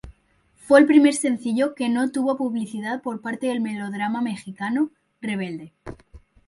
Fue el primer sencillo que no tuvo publicidad por parte del melodrama mexicano "Rebelde".